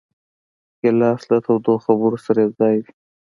ګیلاس له تودو خبرو سره یوځای وي.